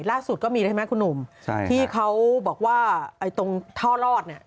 ล่าสุดก็มีใช่ไหมครับคุณหนุ่มที่เขาบอกว่าตรงท่อรอด